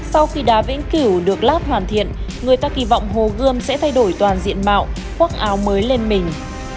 sau khi đá vĩnh cửu được lát hoàn thiện người ta kỳ vọng hồ gươm sẽ thay đổi toàn diện mạo khoác áo mới lên mình